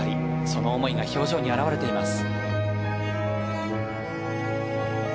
その思いが表情に表れています。